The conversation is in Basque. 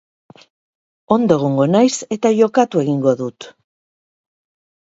Ondo egongo naiz, eta jokatu egingo dut.